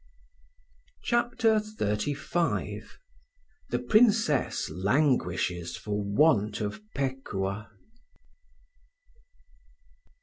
CHAPTER XXXV THE PRINCESS LANGUISHES FOR WANT OF PEKUAH.